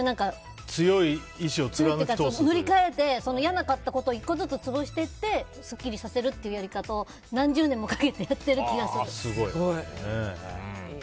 塗り替えて、嫌なことを１個ずつ潰していってすっきりさせるっていうやり方を何十年もかけてやってる気がする。